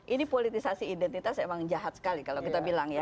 ini politisasi identitas emang jahat sekali kalau kita bilang ya